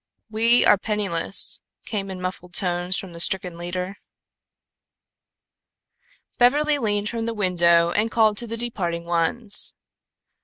"We are penniless," came in muffled tones from the stricken leader. Beverly leaned from the window and called to the departing ones.